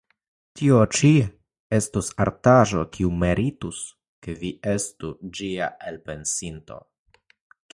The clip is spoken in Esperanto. Tio ĉi estus artaĵo, kiu meritus, ke vi estu ĝia elpensinto.